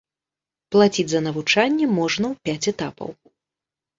Плаціць за навучанне можна ў пяць этапаў.